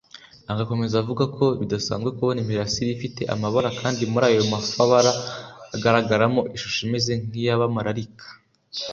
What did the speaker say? Agakomeza avuga ko bidasanzwe kubona imirasire ifite amabara kandi muri ayo mafabara hagaragaramo ishusho imeze nk’iy’amaralika